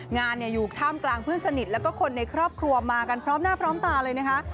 งานอยู่ท่ามกลางเพื่อนสนิทแล้วก็คนในครอบครัวมากันพร้อมหน้าพร้อมตาเลยนะคะ